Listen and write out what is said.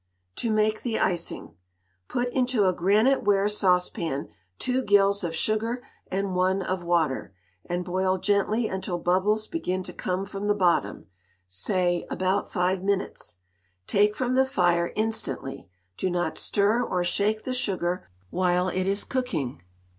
TO MAKE THE ICING. Put into a granite ware saucepan two gills of sugar and one of water, and boil gently until bubbles begin to come from the bottom—say, about five minutes. Take from the fire instantly. Do not stir or shake the sugar while it is cooking.